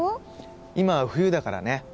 今は冬だからね。